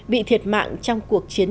bị thiệt mạng trong cuộc chiến